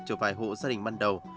cho vài hộ gia đình ban đầu